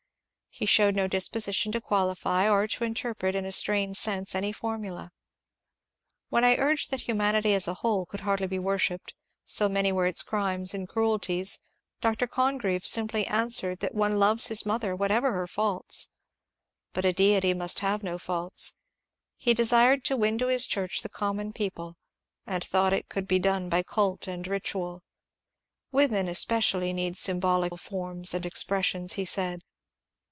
He showed no disposition to qualify or to interpret in a strained sense any formula. When I urged that humanity as a whole could hardly be worshipped, so many were its crimes and cruelties, Dr. Congreve simply answered that one loves his mother whatever her faults. But a deity must have no faults. He desired to win to his church the common people, and thought it could be done by cult and ritual. " Women especially need symbolical forms and expressions," he said.